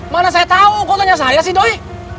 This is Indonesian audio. mana saya tau kok tanya saya sih doi